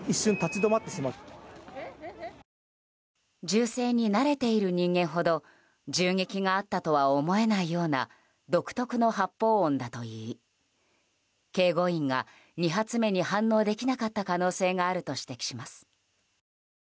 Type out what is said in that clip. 銃声に慣れている人間ほど銃撃があったとは思えないような独特の発砲音だといい警護員が２発目に反応できなかった可能性があると指摘します。